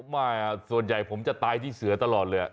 ไม่ส่วนใหญ่ผมจะตายที่เสือตลอดเลย